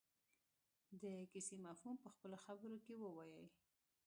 د کیسې مفهوم په خپلو خبرو کې ووايي.